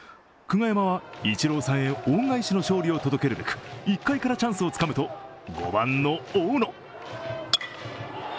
久我山はイチローさんへ恩返しの勝利を届けるべく１回からチャンスをつかむと５番の大野。